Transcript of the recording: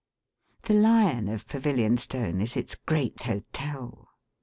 The lion of Pavilionstone is its Great Hotel.